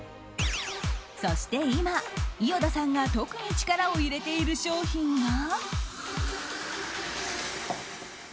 そして今、伊與田さんが特に力を入れている商品が。